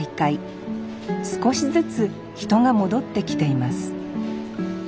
少しずつ人が戻ってきています。